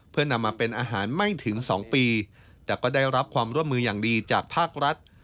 เพื่อนำมาเป็นอาหารไม่ถึง๒ปีแต่ก็ได้รับความร่วมมืออย่างดีจากภาครัฐ